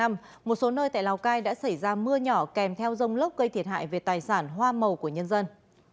một số nơi tại lào cai đã xảy ra mưa nhỏ kèm theo rông lốc gây thiệt hại về tài sản hoa màu của nhân dân